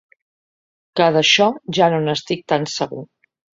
Que, d’això, ja no n’estic tan segur.